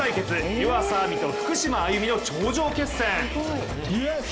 湯浅亜美と福島あゆみの頂上決戦。